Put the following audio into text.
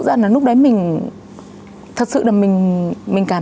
đâu có cháu làm gì